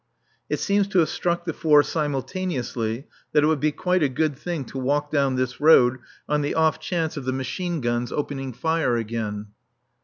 It seems to have struck the four simultaneously that it would be quite a good thing to walk down this road on the off chance of the machine guns opening fire again.